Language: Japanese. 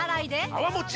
泡もち